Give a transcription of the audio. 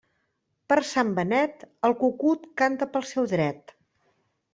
Per Sant Benet, el cucut canta pel seu dret.